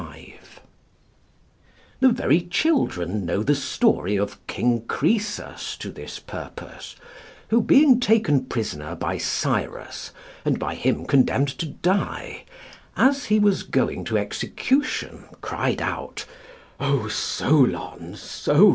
135] The very children know the story of King Croesus to this purpose, who being taken prisoner by Cyrus, and by him condemned to die, as he was going to execution cried out, "O Solon, Solon!"